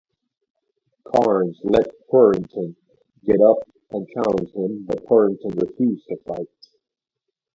Cairns let Purinton get up and challenged him, but Purinton refused to fight.